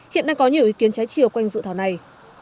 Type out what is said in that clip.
hiện đang có nhiều ý kiến trái chiều quanh dự thảo này